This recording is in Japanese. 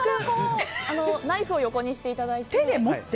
ナイフを横にしていただいて。